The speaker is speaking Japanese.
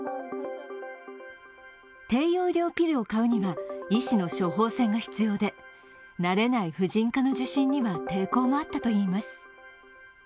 低用量ピルを買うには医師の処方箋が必要で慣れない婦人科の受診には抵抗もあったといいます。